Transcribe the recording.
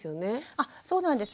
あそうなんです。